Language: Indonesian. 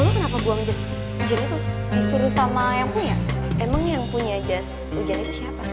lu kenapa gua ngejas ngejas itu disuruh sama yang punya emang yang punya jas ujian itu siapa